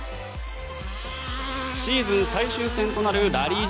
シーズン最終戦となるラリー